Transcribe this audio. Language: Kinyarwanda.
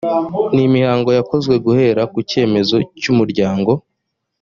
ni imihango yakozwe guhera ku cyemezo cy’umuryango